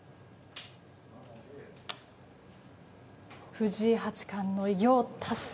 藤井八冠の偉業達成